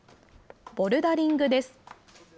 ボルダリングです。